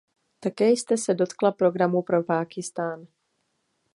Také jste se dotkla programu pro Pákistán.